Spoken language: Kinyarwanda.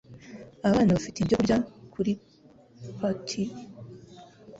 Abana bafite ibyo kurya kuri patio.